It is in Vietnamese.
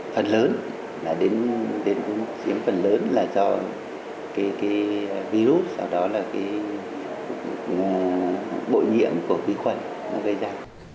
phần lớn là đến một xíu phần lớn là do cái virus sau đó là cái bội nhiễm của vi khuẩn nó gây ra